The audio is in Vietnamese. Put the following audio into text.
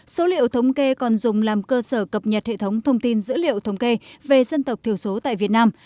số liệu thống kê còn dùng làm cơ sở cập nhật hệ thống thông tin dữ liệu thống kê về dân tộc thiểu số tại việt nam